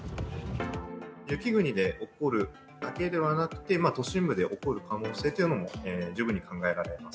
雪国で起こるだけではなくて、都心部で起こる可能性というのも十分に考えられます。